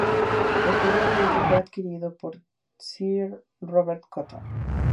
Posteriormente fue adquirido por Sir Robert Cotton.